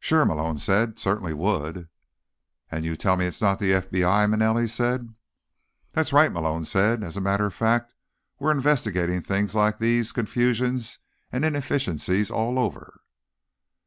"Sure," Malone said. "Certainly would." "And you tell me it's not the FBI?" Manelli said. "That's right," Malone said. "As a matter of fact, we're investigating things like these confusions and inefficiencies all over."